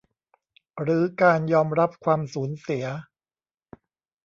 หรือการยอมรับความสูญเสีย